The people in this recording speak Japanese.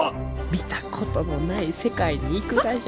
見たことのない世界に行くがじゃ。